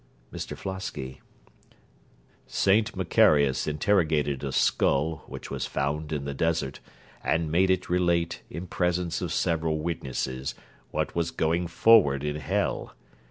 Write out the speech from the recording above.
MR FLOSKY Saint Macarius interrogated a skull, which was found in the desert, and made it relate, in presence of several witnesses, what was going forward in hell.